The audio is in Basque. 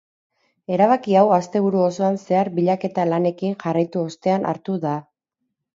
Erabaki hau asteburu osoan zehar bilaketa lanekin jarraitu ostean hartu da.